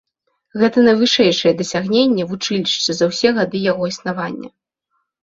Гэта найвышэйшае дасягненне вучылішча за ўсе гады яго існавання.